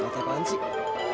tata apaan sih